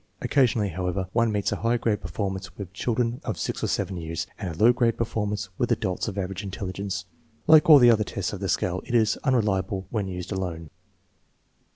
Occasionally, however, one meets a high grade performance with children of 6 or 7 years, and a low grade performance with adults of average intelli gence. Like all the other tests of the scale, it is unreliable when used alone.